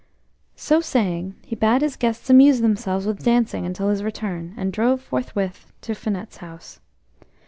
So saying, he bade his guests amuse themselves with dancing until his return, and drove forthwith to Finette's house.